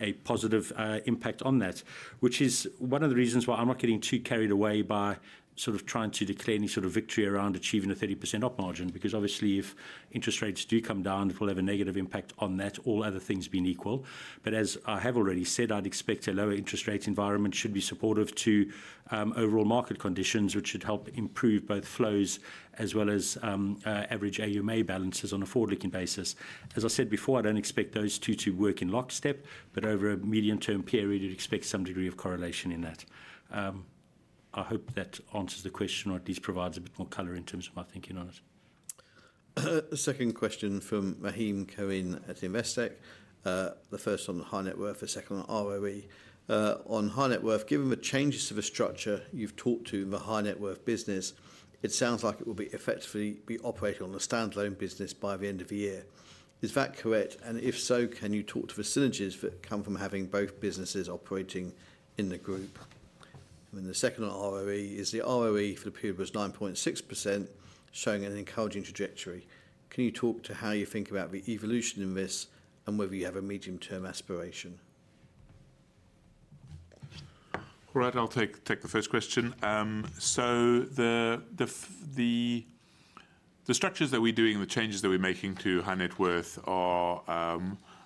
a positive impact on that. Which is one of the reasons why I'm not getting too carried away by sort of trying to declare any sort of victory around achieving a 30% op margin, because obviously, if interest rates do come down, it will have a negative impact on that, all other things being equal. But as I have already said, I'd expect a lower interest rate environment should be supportive to, overall market conditions, which should help improve both flows as well as, average AuMA balances on a forward-looking basis. As I said before, I don't expect those two to work in lockstep, but over a medium-term period, you'd expect some degree of correlation in that. I hope that answers the question, or at least provides a bit more color in terms of my thinking on it. Second question from Maheen Khawaja at Investec. The first on the High Net Worth, the second on ROE. On High Net Worth, given the changes to the structure you've talked to in the High Net Worth business, it sounds like it will be effectively be operating on a standalone business by the end of the year. Is that correct? And if so, can you talk to the synergies that come from having both businesses operating in the group? And then the second on ROE, is the ROE for the period was 9.6%, showing an encouraging trajectory. Can you talk to how you think about the evolution in this and whether you have a medium-term aspiration? Right, I'll take the first question. So the structures that we're doing, the changes that we're making to High Net Worth are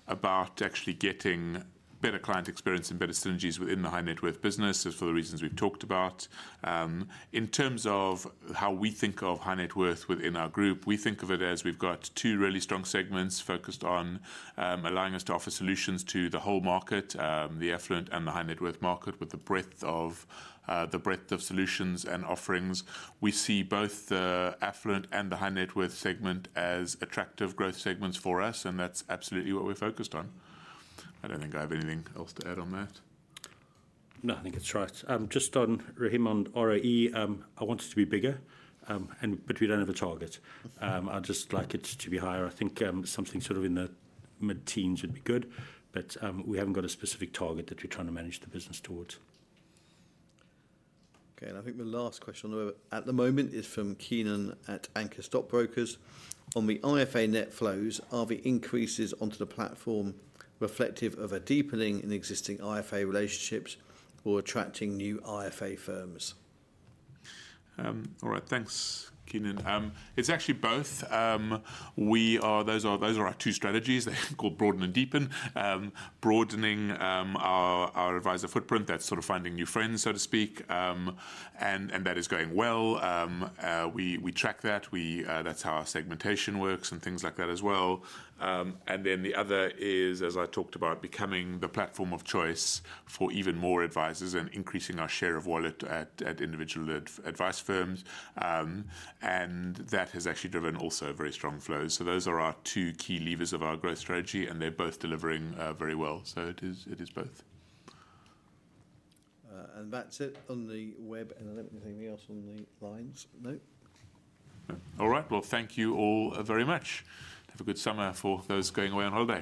about actually getting better client experience and better synergies within the High Net Worth business, as for the reasons we've talked about. In terms of how we think of High Net Worth within our group, we think of it as we've got two really strong segments focused on allowing us to offer solutions to the whole market, the affluent and the High Net Worth market, with the breadth of solutions and offerings. We see both the affluent and the High Net Worth segment as attractive growth segments for us, and that's absolutely what we're focused on. I don't think I have anything else to add on that. No, I think it's right. Just on, Maheen, on ROE, I want it to be bigger, and but we don't have a target. I'd just like it to be higher. I think, something sort of in the mid-teens would be good, but, we haven't got a specific target that we're trying to manage the business towards. Okay, and I think the last question on the web at the moment is from Keenon at Anchor Stockbrokers. On the IFA net flows, are the increases onto the platform reflective of a deepening in existing IFA relationships or attracting new IFA firms? All right. Thanks, Keenan. It's actually both. We are—those are our two strategies, called broaden and deepen. Broadening our adviser footprint, that's sort of finding new friends, so to speak. And that is going well. We track that. That's how our segmentation works and things like that as well. And then the other is, as I talked about, becoming the platform of choice for even more advisers and increasing our share of wallet at individual advice firms. And that has actually driven also very strong flows. So those are our two key levers of our growth strategy, and they're both delivering very well. So it is both. That's it on the web. I don't think anything else on the lines. No. All right. Well, thank you all, very much. Have a good summer for those going away on holiday.